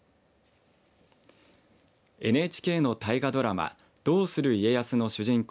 ＮＨＫの大河ドラマどうする家康の主人公